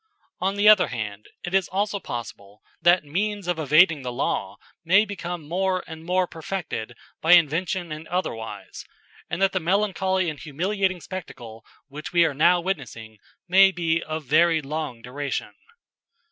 On the other hand it is also possible that means of evading the law may become more and more perfected by invention and otherwise, and that the melancholy and humiliating spectacle which we are now witnessing may be of very long duration.